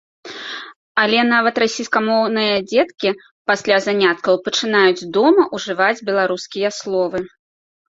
Але нават расейскамоўныя дзеткі пасля заняткаў пачынаюць дома ўжываць беларускія словы.